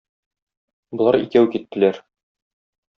Болар икәү киттеләр.